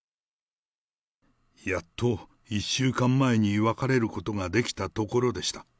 やっと１週間前に別れることができたところでした。